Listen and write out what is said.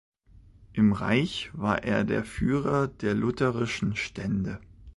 Im Reich war er der Führer der lutherischen Stände.